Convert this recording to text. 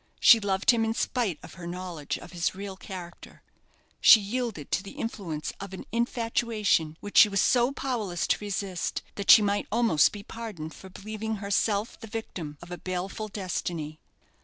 She loved him in spite of her knowledge of his real character she yielded to the influence of an infatuation which she was so powerless to resist that she might almost be pardoned for believing herself the victim of a baleful destiny.